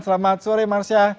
selamat sore marsya